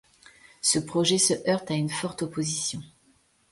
Ce projet se heurte à une forte opposition.